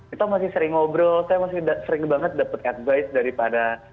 kita masih sering ngobrol saya masih sering banget dapet advice daripada